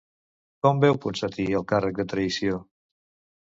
Com veu Ponsatí el càrrec de traïció?